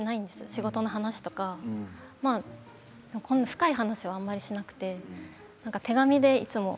仕事の話とか深い話をあまりしなくて手紙でいつも。